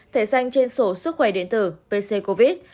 thể danh trên sổ sức khỏe điện tử pc covid